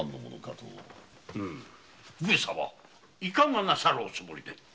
上様いかがなさるおつもりで？